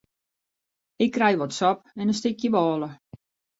Ik krij wat sop en in stikje bôle.